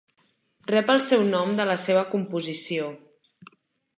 Rep el seu nom de la seva composició.